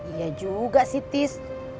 iya juga sih tis